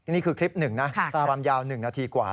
นี่คือคลิปหนึ่งนะประบำยาวหนึ่งนาทีกว่า